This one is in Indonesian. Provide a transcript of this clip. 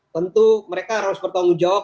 tentu mereka harus bertanggung jawab